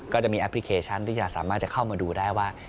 ก็จะมีแอปพลิเคชันที่จะสามารถจะเข้ามาดูได้ว่า